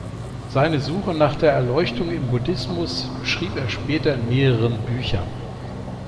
Seine Suche nach der Erleuchtung im Buddhismus beschrieb er später in mehreren Büchern.